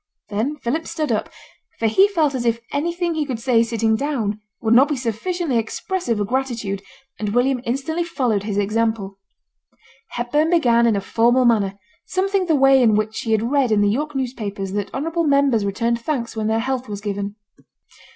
Then Philip stood up, for he felt as if anything he could say sitting down would not be sufficiently expressive of gratitude, and William instantly followed his example. Hepburn began in a formal manner, something the way in which he had read in the York newspapers that honourable members returned thanks when their health was given.